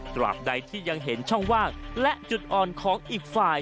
ตราบใดที่ยังเห็นช่องว่างและจุดอ่อนของอีกฝ่าย